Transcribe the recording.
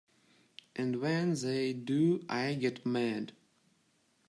And when they do I get mad.